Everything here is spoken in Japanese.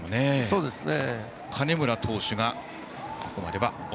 そうですね。